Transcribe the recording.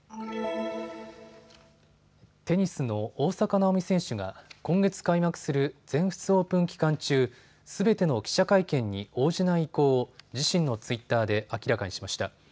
テニスの大坂なおみ選手が今月開幕する全仏オープン期間中、すべての記者会見に応じない意向を自身のツイッターで明らかにしました。